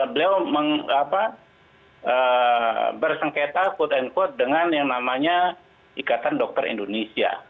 beliau bersengketa dengan yang namanya ikatan dokter indonesia